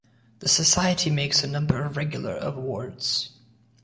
The society makes a number of regular awards.